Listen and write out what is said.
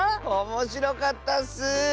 おもしろかったッス！